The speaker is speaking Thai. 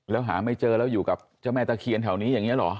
แล้วหาไม่เจอแล้วอยู่กับเจ้าแม่ตะเคียนแถวนี้อย่างนี้เหรอ